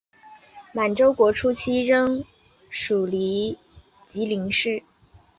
满洲国初期仍隶属吉林省。